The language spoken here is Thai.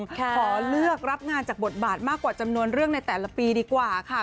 ขอเลือกรับงานจากบทบาทมากกว่าจำนวนเรื่องในแต่ละปีดีกว่าค่ะ